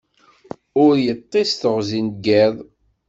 Ur yeṭṭis teɣzi n yiḍ.